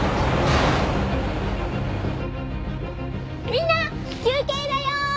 みんな休憩だよん！